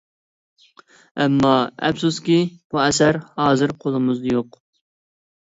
ئەمما ئەپسۇسكى بۇ ئەسەر ھازىر قولىمىزدا يوق.